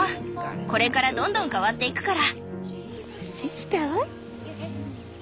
これからどんどん変わっていくから。